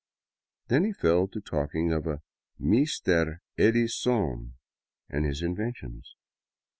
Then he fell to talking of a " Meestare Eddy Sone " and his inventions.